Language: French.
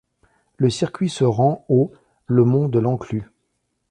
Le circuit se rend au le Mont de l'Enclus.